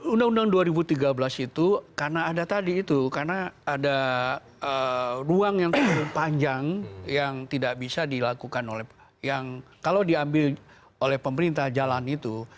undang undang dua ribu tiga belas itu karena ada tadi itu karena ada ruang yang panjang yang tidak bisa dilakukan oleh yang kalau diambil oleh pemerintah jalan itu